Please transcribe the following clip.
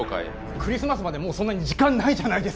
クリスマスまでもうそんなに時間ないじゃないですか！